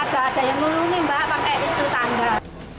ada yang ropet ada yang ngelungi mbak pakai itu tangga